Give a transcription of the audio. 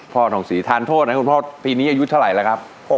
ทองศรีทานโทษนะคุณพ่อปีนี้อายุเท่าไหร่แล้วครับ